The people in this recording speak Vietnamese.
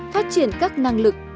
phát triển các năng lực